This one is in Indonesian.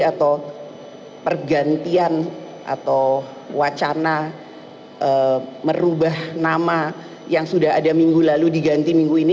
atau pergantian atau wacana merubah nama yang sudah ada minggu lalu diganti minggu ini